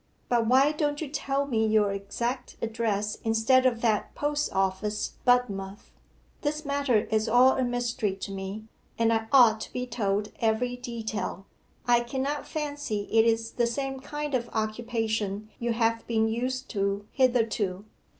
But why don't you tell me your exact address instead of that "Post Office, Budmouth?" This matter is all a mystery to me, and I ought to be told every detail. I cannot fancy it is the same kind of occupation you have been used to hitherto.